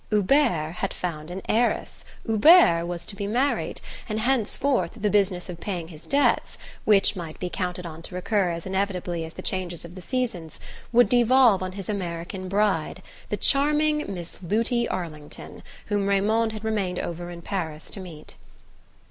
Hubert had found an heiress, Hubert was to be married, and henceforth the business of paying his debts (which might be counted on to recur as inevitably as the changes of the seasons) would devolve on his American bride the charming Miss Looty Arlington, whom Raymond had remained over in Paris to meet.